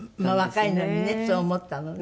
若いのにねそう思ったのね。